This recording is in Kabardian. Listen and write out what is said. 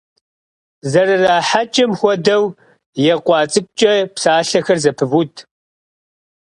ЗэрырахьэкӀым хуэдэу екъуа цӀыкӀукӏэ псалъэхэр зэпывуд.